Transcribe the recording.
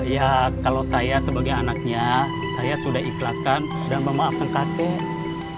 ya kalau saya sebagai anaknya saya sudah ikhlaskan dan memaafkan kakek